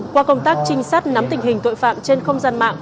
qua công tác trinh sát nắm tình hình tội phạm trên không gian mạng